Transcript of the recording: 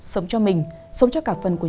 sống cho mình sống cho cả phần của những người